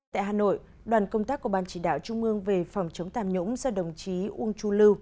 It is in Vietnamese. tại hà nội đoàn công tác của ban chỉ đạo trung ương về phòng chống tạm nhũng do đồng chí uông chu lưu